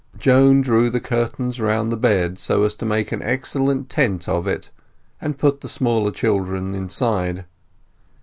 Joan drew the curtains round the bed so as to make an excellent tent of it, and put the smaller children inside.